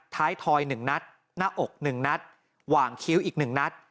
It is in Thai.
ท้ายถอยหนึ่งนัดหน้าอกหนึ่งนัดหว่างคิ้วอีกหนึ่งนัด